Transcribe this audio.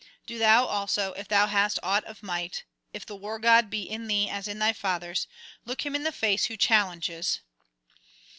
Do thou also, if thou hast aught of might, if the War god be in thee as in thy fathers, look him in the face who challenges.